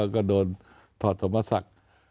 ก็โดนถอดสมรสัก